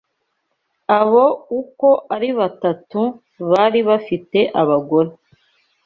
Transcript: Abo uko ari batatu bari bafite abagore